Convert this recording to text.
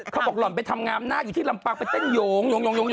หล่อนไปทำงามหน้าอยู่ที่ลำปางไปเต้นโยง